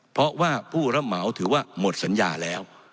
เพราะว่าผู้รับเหมาถือว่าหมดสัญญาแล้ว